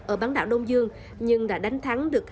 ở bán đảo đông dương nhưng đã đánh thắng được